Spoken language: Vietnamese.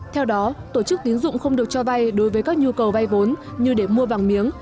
theo đó tổ chức tín dụng không được cho vay đối với các nhu cầu vay vốn như để mua vàng miếng